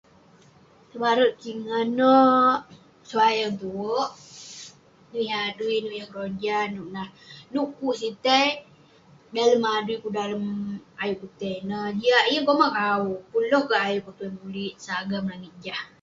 Tebarek kik ngan neh, sebayang tuek. Ineui yah adui ineuk yah keroja nouk nah nah, nouk kuk sitei. Dal3m adui ayuk kuk tei inwh, jiak komah ke au, yeng pun loh ayuk kuk mulik sagam laingit jah.